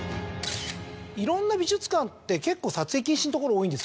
いろんな美術館って結構撮影禁止のところ多いんですけど。